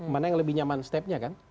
mana yang lebih nyaman stepnya kan